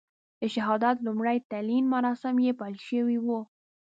د شهادت لومړي تلین مراسم یې پیل شوي وو.